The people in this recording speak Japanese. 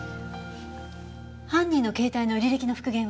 犯人の携帯の履歴の復元は？